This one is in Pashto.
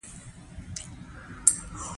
مرسته د ټولنې د ځواک د زیاتوالي وسیله ده.